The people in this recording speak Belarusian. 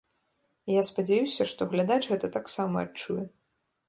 І я спадзяюся, што глядач гэта таксама адчуе.